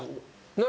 何？